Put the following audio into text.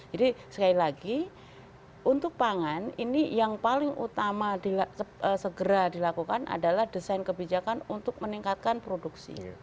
jadi sekali lagi untuk pangan ini yang paling utama segera dilakukan adalah desain kebijakan untuk meningkatkan produksi